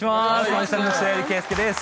マジシャンの白百合慶祐です